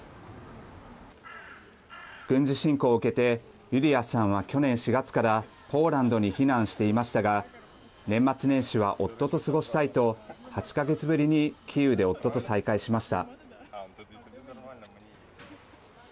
軍事侵攻を受けてユリアさんは去年４月からポーランドに避難していましたが年末年始は夫と過ごしたいと８か月ぶりにキーウで夫と再会しました。